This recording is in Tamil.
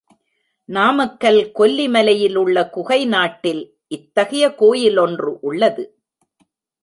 நாமக்கல் கொல்லி மலையிலுள்ள குகை நாட்டில் இத்தகைய கோயில் ஒன்று உள்ளது.